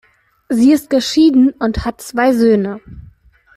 Sie ist geschieden und hat zwei Söhne.